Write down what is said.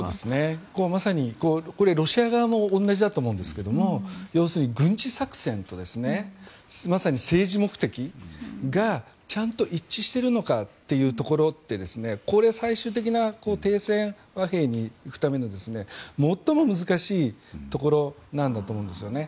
まさにロシア側も同じだと思うんですけども要するに軍事作戦とまさに政治目的がちゃんと一致しているのかというところって最終的な停戦和平に行くための最も難しいところなんだと思うんですよね。